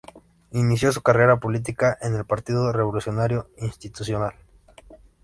Inició su carrera política en el Partido Revolucionario Institucional.